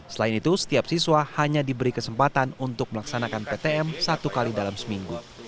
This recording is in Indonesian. selain itu setiap siswa hanya diberi kesempatan untuk melaksanakan ptm satu kali dalam seminggu